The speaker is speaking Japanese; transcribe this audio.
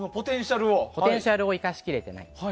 ポテンシャルを生かしきれてない。